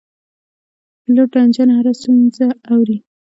پیلوټ د انجن هره ستونزه اوري.